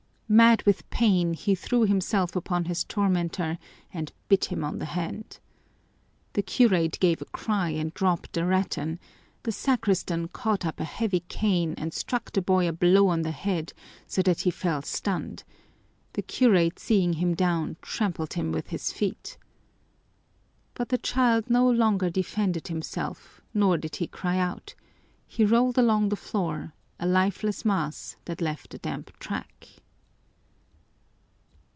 Mad with pain he threw himself upon his tormentor and bit him on the hand. The curate gave a cry and dropped the rattan the sacristan caught up a heavy cane and struck the boy a blow on the head so that he fell stunned the curate, seeing him down, trampled him with his feet. But the child no longer defended himself nor did he cry out; he rolled along the floor, a lifeless mass that left a damp track.